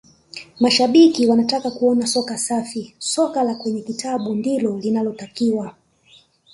mashabiki wanataka kuona soka safisoka la kwenye kitabu ndilo linalotakiwa